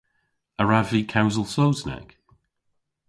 A wrav vy kewsel Sowsnek?